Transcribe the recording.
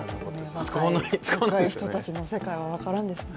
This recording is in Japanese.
若い人たちの世界は若らんですね。